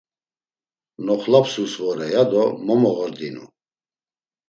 Noxlapsus vore ya do momoğordinu.